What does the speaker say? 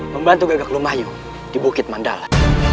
membantu gagak lumahyu di bukit mandala